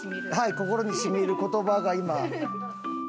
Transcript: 心にしみる言葉が今。